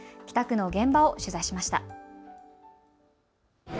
北区の現場を取材しました。